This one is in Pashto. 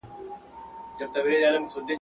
او د چڼچڼو شورماشور کي به د زرکو آواز.